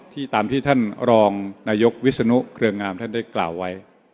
ที่ตามที่ท่านรองนวิศนุ